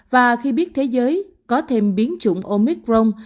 và khi biết thế giới có thêm biến chủng omicron